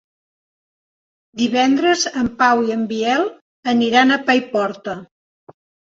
Divendres en Pau i en Biel aniran a Paiporta.